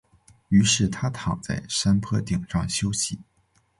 于是他躺在山坡顶上休息。